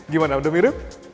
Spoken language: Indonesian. gimana udah mirip